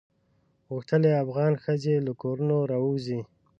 غوښتل یې افغان ښځې له کورونو راووزي.